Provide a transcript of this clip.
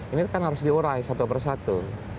ini kan harus diurai satu persatu